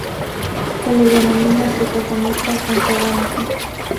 Se le denomina Protagonista Antagónico.